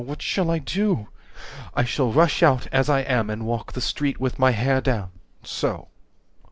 What shall I do? I shall rush out as I am, and walk the street With my hair down, so.